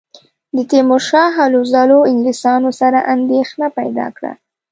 د تیمورشاه هلو ځلو انګلیسیانو سره اندېښنه پیدا کړه.